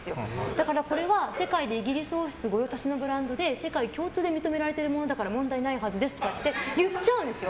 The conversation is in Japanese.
だから、これは世界でイギリス王室御用達のブランドで世界共通で認められているものだから問題ないはずですって言っちゃうんですよ。